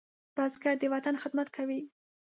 بزګر د وطن خدمت کوي